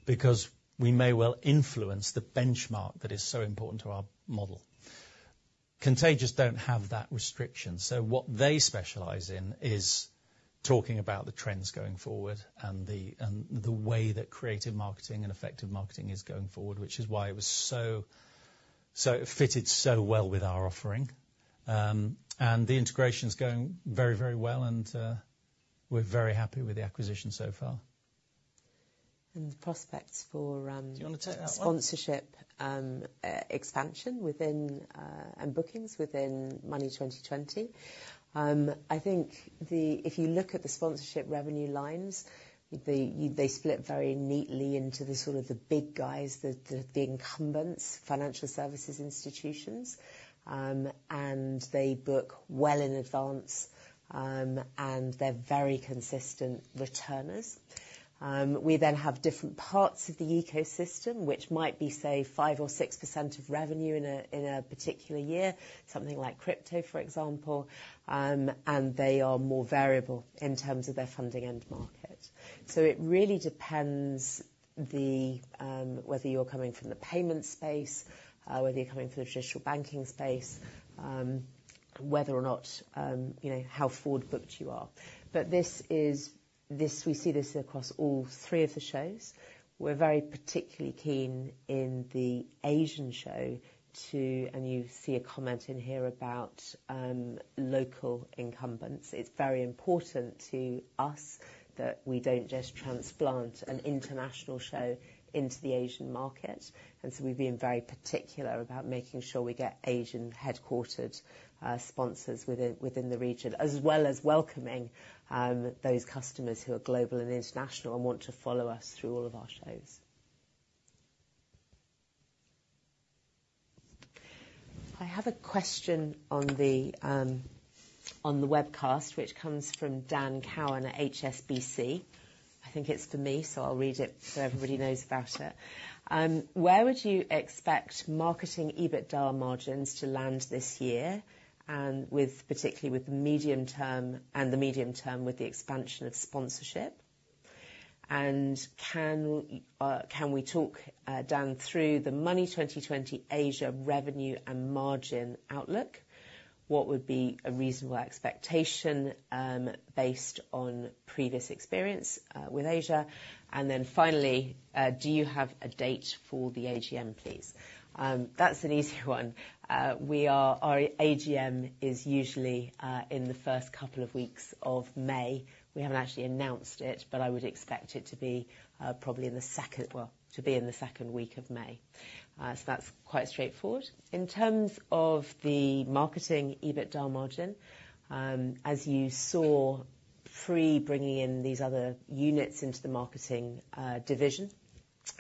because we may well influence the benchmark that is so important to our model. Contagious don't have that restriction, so what they specialize in is talking about the trends going forward and the way that creative marketing and effective marketing is going forward, which is why it was so it fitted so well with our offering. And the integration's going very, very well, and we're very happy with the acquisition so far. The prospects for, Do you wanna take that one? -sponsorship, expansion within, and bookings within Money20/20? I think the—if you look at the sponsorship revenue lines, they split very neatly into the sort of the big guys, the incumbents, financial services institutions, and they book well in advance, and they're very consistent returners. We then have different parts of the ecosystem, which might be, say, 5%-6% of revenue in a particular year, something like crypto, for example, and they are more variable in terms of their funding end market. So it really depends the whether you're coming from the payment space, whether you're coming from the traditional banking space, whether or not, you know, how forward-booked you are. But this is—this, we see this across all three of the shows. We're very particularly keen in the Asian show to... And you see a comment in here about local incumbents. It's very important to us that we don't just transplant an international show into the Asian market, and so we've been very particular about making sure we get Asian-headquartered sponsors within, within the region, as well as welcoming those customers who are global and international and want to follow us through all of our shows. I have a question on the, on the webcast, which comes from Dan Cowan at HSBC. I think it's for me, so I'll read it so everybody knows about it. Where would you expect marketing EBITDA margins to land this year, and with, particularly with the medium-term, and the medium-term with the expansion of sponsorship? And can we talk, Dan, through the Money20/20 Asia revenue and margin outlook? What would be a reasonable expectation, based on previous experience, with Asia? And then finally, do you have a date for the AGM, please? That's an easy one. We are, our AGM is usually, in the first couple of weeks of May. We haven't actually announced it, but I would expect it to be, probably in the second-- well, to be in the second week of May. So that's quite straightforward. In terms of the marketing EBITDA margin, as you saw, pre bringing in these other units into the marketing, division,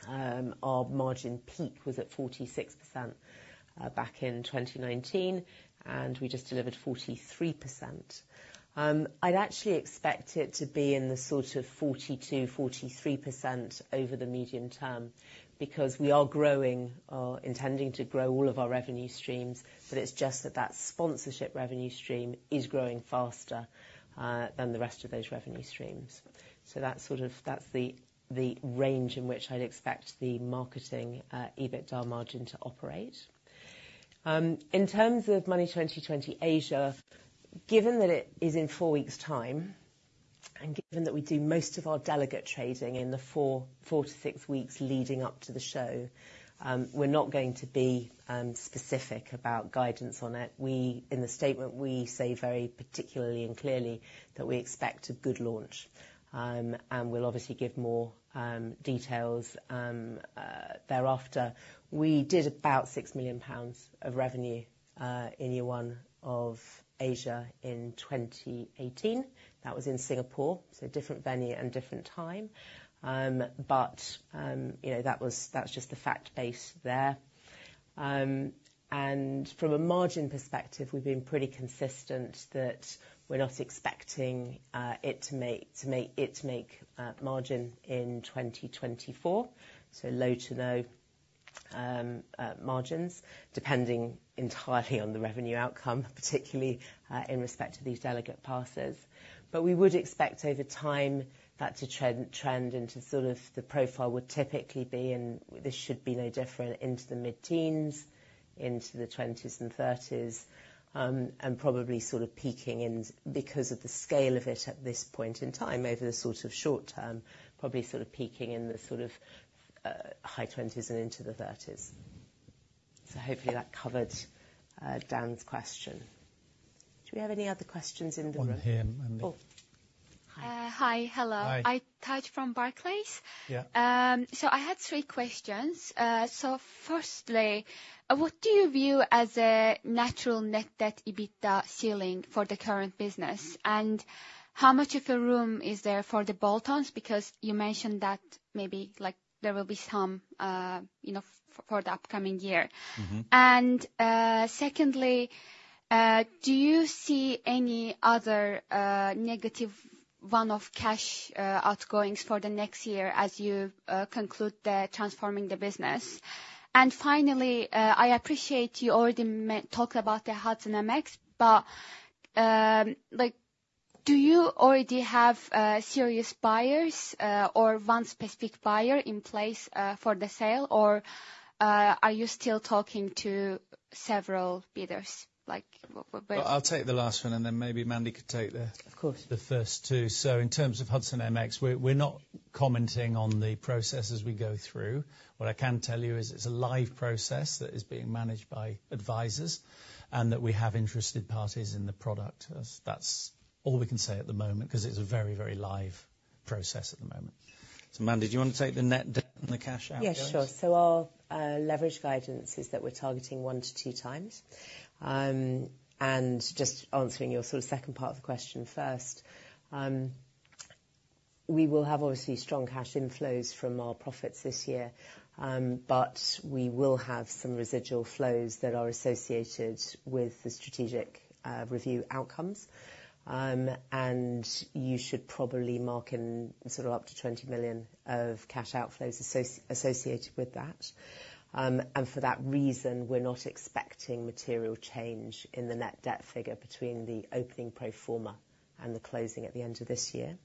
our margin peak was at 46%, back in 2019, and we just delivered 43%. I'd actually expect it to be in the sort of 42%-43% over the medium-term, because we are growing, intending to grow all of our revenue streams, but it's just that that sponsorship revenue stream is growing faster than the rest of those revenue streams. So that's sort of the range in which I'd expect the marketing EBITDA margin to operate. In terms of Money20/20 Asia, given that it is in four weeks' time, and given that we do most of our delegate trading in the four to six weeks leading up to the show, we're not going to be specific about guidance on it. We, in the statement, we say very particularly and clearly that we expect a good launch, and we'll obviously give more details thereafter. We did about 6 million pounds of revenue in year one of Asia in 2018. That was in Singapore, so a different venue and different time. But you know, that was, that's just the fact base there. And from a margin perspective, we've been pretty consistent that we're not expecting it to make margin in 2024. So low to no margins, depending entirely on the revenue outcome, particularly in respect to these delegate passes. But we would expect over time that to trend into sort of the profile would typically be, and this should be no different, into the mid-teens, into the 20s and 30s, and probably sort of peaking in, because of the scale of it at this point in time, over the sort of short term, probably sort of peaking in the sort of high 20s and into the 30s. So hopefully that covered Dan's question. Do we have any other questions in the room? One here, Mandy. Oh. Hi. Hello. Hi. Aytaj from Barclays. Yeah. So I had three questions. So firstly, what do you view as a natural net debt EBITDA ceiling for the current business? And how much of a room is there for the bolt-ons? Because you mentioned that maybe, like, there will be some, you know, for the upcoming year. Mm-hmm. And, secondly, do you see any other negative one-off cash outgoings for the next year as you conclude the transforming the business? And finally, I appreciate you already talked about the Hudson MX, but, like, do you already have serious buyers, or one specific buyer in place, for the sale? Or, are you still talking to several bidders? Like, Well, I'll take the last one, and then maybe Mandy could take the- Of course... the first two. So in terms of Hudson MX, we're not commenting on the process as we go through. What I can tell you is it's a live process that is being managed by advisors, and that we have interested parties in the product. That's all we can say at the moment, 'cause it's a very, very live process at the moment. So Mandy, do you want to take the net debt and the cash outgoings? Yeah, sure. So our leverage guidance is that we're targeting 1-2x times. And just answering your sort of second part of the question first, we will have obviously strong cash inflows from our profits this year. But we will have some residual flows that are associated with the strategic review outcomes. And you should probably mark in sort of up to 20 million of cash outflows associated with that. And for that reason, we're not expecting material change in the net debt figure between the opening pro forma and the closing at the end of this year.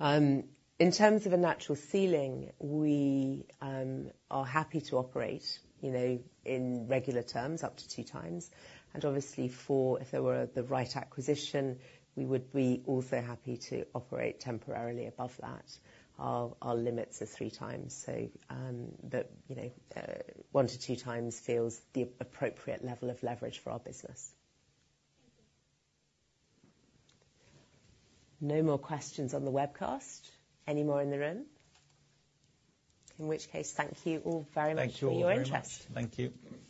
In terms of a natural ceiling, we are happy to operate, you know, in regular terms, up to two times. And obviously for, if there were the right acquisition, we would be also happy to operate temporarily above that. Our limits are 3x, but you know, 1-2x feels the appropriate level of leverage for our business. Thank you. No more questions on the webcast. Any more in the room? In which case, thank you all very much for your interest. Thank you all very much. Thank you.